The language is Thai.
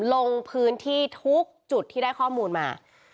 ลงพื้นที่ทุกจุดที่ได้ข้อมูลมา